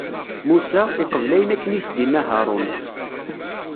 Musa, iqbel ayen akken i s-d-inna Haṛun.